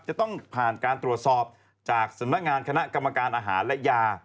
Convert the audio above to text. จะต้องผ่านการตรวจสอบจากสำนักงานคณะกรรมการอาหารและยา